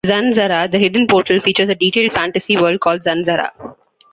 "ZanZarah: The Hidden Portal" features a detailed fantasy world called ZanZarah.